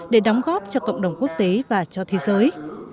để đóng góp cho cộng đồng quốc tế và cho thế giới